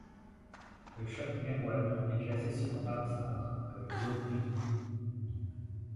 Le Chott Merouane est classé selon Ramsar comme zone humide.